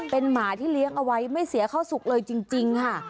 เป็นหมาที่เลี้ยงเอาไว้ไม่เสียเข้าสุกเลยจริงค่ะ